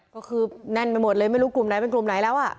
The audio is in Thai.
ก็คือแน่นไปหมดเลยไม่รู้กลุ่มไหนเป็นกลุ่มไหนแล้วอ่ะ